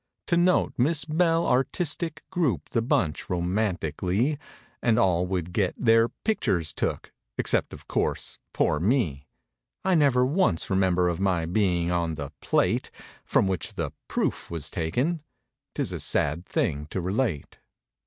To note Miss Belle Artistic Group the bunch, romantic'ly; And all would get "their pictures took" Except, of course, poor me. I never once remember of My being on the "plate" From which the "proof" was taken— ('Tis a sad thing to relate).